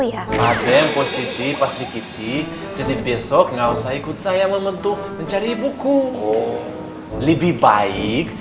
ya adem positi pasri kiti jadi besok nggak usah ikut saya mementuk mencari ibuku oh lebih baik